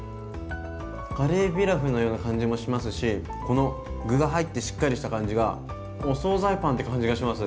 カレーピラフのような感じもしますしこの具が入ってしっかりした感じがお総菜パンって感じがします。